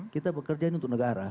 kita bekerja ini untuk negara